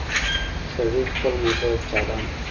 سړي خپل موبايل چالان کړ.